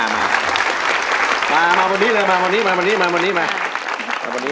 มามาบนนี้เลยมาบนนี้